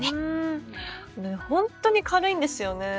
ほんとに軽いんですよね。